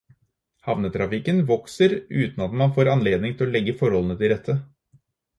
Havnetrafikken vokser uten at man får anledning til å legge forholdene til rette.